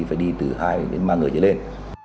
phải đi từ hai đến ba người chỉ lên